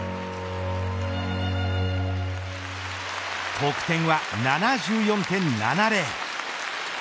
得点は７４．７０。